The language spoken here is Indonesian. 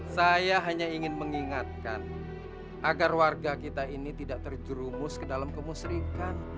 saya hanya ingin mengingatkan agar warga kita ini tidak terjerumus ke dalam kemusrikan